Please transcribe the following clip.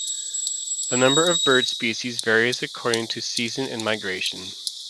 The number of bird species varies according to season and migration.